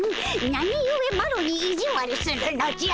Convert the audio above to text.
なにゆえマロにいじわるするのじゃ。